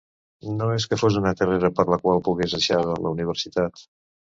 No és que fos una carrera per la qual pogués deixar la universitat.